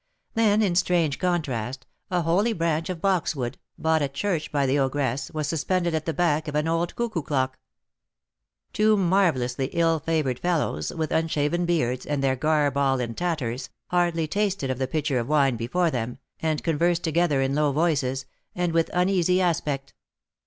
Then, in strange contrast, a holy branch of boxwood, bought at church by the ogress, was suspended at the back of an old cuckoo clock. Two marvellously ill favoured fellows, with unshaven beards, and their garb all in tatters, hardly tasted of the pitcher of wine before them, and conversed together in low voices, and with uneasy aspect.